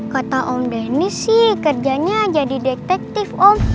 kota om denis sih kerjanya jadi detektif om